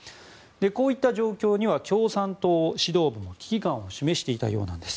こういった状況には共産党指導部も危機感を示していたようです。